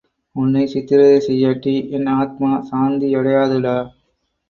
உன்னை சித்ரவதைசெய்யாட்டி என் ஆத்மா சாந்தியடையாதுடா!